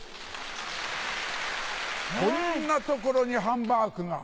こんな所にハンバーグが。